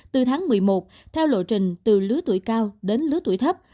từ tháng một mươi một theo lộ trình từ lứa tuổi cao đến lứa tuổi thấp